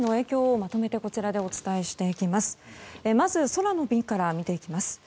まず空の便から見ていきます。